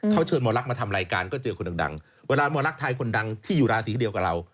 เขาเชิญหมอลักษ์มาทำรายการก็เจอคนดังเวลาหมอรักไทยคนดังที่อยู่ราศีเดียวกับเรา